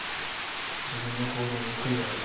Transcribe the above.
自分の行動に悔いはありません。